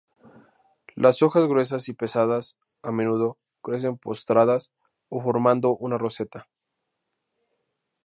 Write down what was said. Las hojas gruesas y pesadas, a menudo, crecen postradas o formando una roseta.